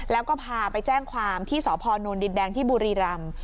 แล้วก็พาไปแจ้งความที่สพนดินแดงที่บุรีรำ